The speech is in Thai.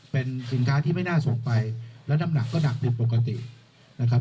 เป็นสินค้าที่ไม่น่าส่งไปแล้วน้ำหนักก็หนักผิดปกตินะครับ